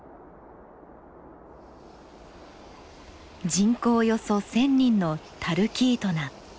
人口およそ１，０００人のタルキートナ。